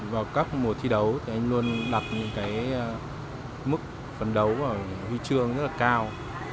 vào các mùa thi đấu thì anh luôn đặt những cái mức phấn đấu ở huy chương rất là cao